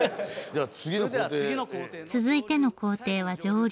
続いての工程は蒸留。